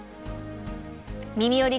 「みみより！